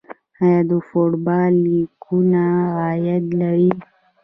آیا د فوټبال لیګونه عاید لري؟